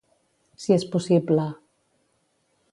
Si és possible.